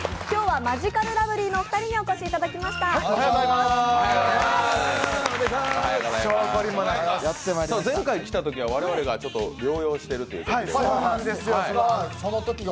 今日はマヂカルラブリーのお二人にお越しいただきました。